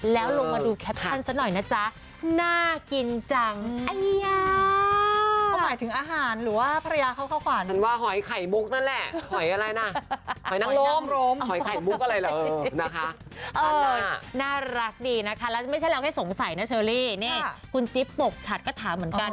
แล้วลงมาดูแคปทันซะหน่อยนะจ๊ะ